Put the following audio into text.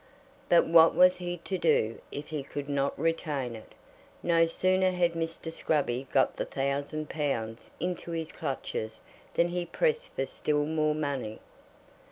But what was he to do if he could not retain it? No sooner had Mr. Scruby got the thousand pounds into his clutches than he pressed for still more money.